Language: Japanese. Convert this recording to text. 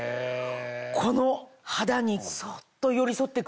この肌にそっと寄り添ってくれるような